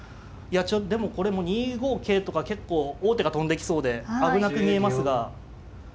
でもこれも２五桂とか結構王手が飛んできそうで危なく見えますが。